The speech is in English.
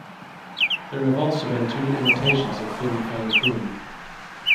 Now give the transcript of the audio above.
There have also been two imitations of Fin Fang Foom.